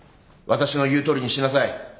私の言うとおりにしなさい。